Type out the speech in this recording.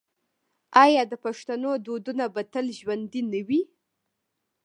آیا د پښتنو دودونه به تل ژوندي نه وي؟